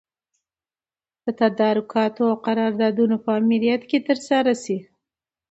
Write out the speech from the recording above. د تدارکاتو او قراردادونو په امریت کي ترسره سي.